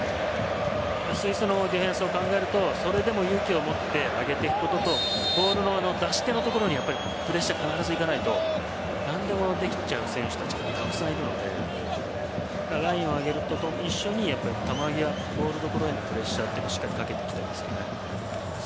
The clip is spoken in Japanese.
スイスのディフェンスを考えると、それでも勇気を持って上げていくこととボールの出し手のところにやっぱりプレッシャー、必ずいかないと何でもできちゃう選手たちがたくさんいるのでラインを上げると一緒に球際のところへのプレッシャーをしっかりかけていきたいですね。